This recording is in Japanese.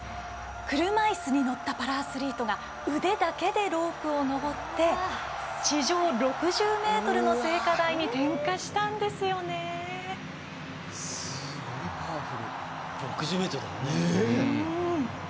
車いすに乗ったパラアスリートが腕だけでロープを登って地上６０ｍの聖火台にすごいパワフル。